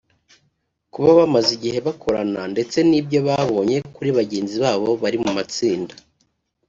Kuba bamaze igihe bakorana ndetse n’ibyo babonye kuri bagenzi babo bari mu matsinda